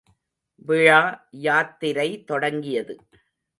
விழா யாத்திரை தொடங்கியது.